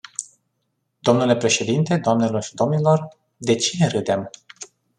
Dle președinte, doamnelor și domnilor, de cine râdem?